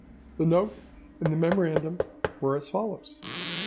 The note and the memorandum were as follows: "'2.